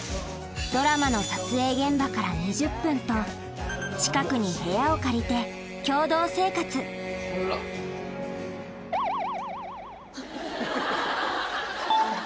ドラマの撮影現場から２０分と近くに部屋を借りて共同生活辛っ。